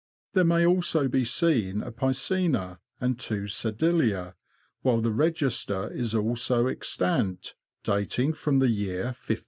There may also be seen a piscina and two sedilia, while the register is also extant, dating from the year 1541.